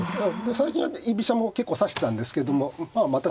最近は居飛車も結構指してたんですけどもまあまた